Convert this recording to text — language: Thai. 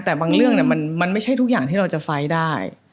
แต่บางเรื่องมันไม่ใช่ทุกอย่างที่เราจะไฟล์ได้